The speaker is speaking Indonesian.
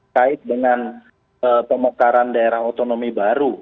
kait dengan pemekaran daerah otonomi baru